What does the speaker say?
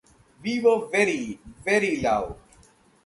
We were very, very loud...